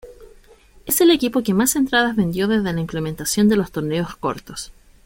Es el equipo que más entradas vendió desde la implementación de los torneos cortos.